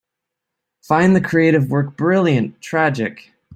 Find the creative work Brilliant! Tragic!